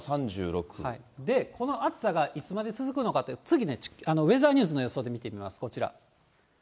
この暑さがいつまで続くのかって、次、ウェザーニュースの予想で見てみます、こちら。